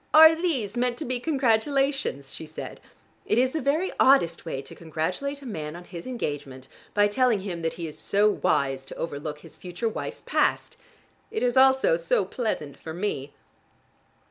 "Are these meant to be congratulations?" she said. "It is the very oddest way to congratulate a man on his engagement, by telling him that he is so wise to overlook his future wife's past. It is also so pleasant for me."